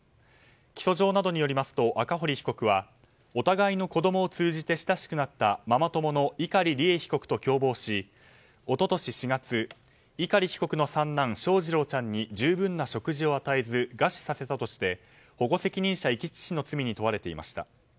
起訴状などによりますと赤堀被告はお互いの子供を通じて親しくなったママ友の碇利恵被告と共謀し一昨年４月、碇被告の三男翔士郎ちゃんに十分な食事を与えず餓死させたとして保護責任者遺棄致死の罪に問われていました。